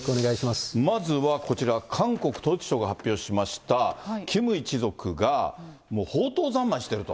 まずはこちら、韓国統一省が発表しましたキム一族がもう放とう三昧していると。